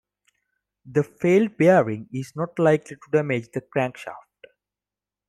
The failed bearing is not likely to damage the crankshaft.